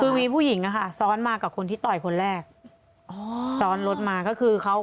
คือมีผู้หญิงอะค่ะซ้อนมากับคนที่ต่อยคนแรกอ๋อซ้อนรถมาก็คือเขา